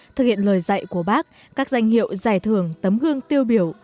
thực hiện lời dạy của bác các danh hiệu giải thưởng tấm gương tiêu biểu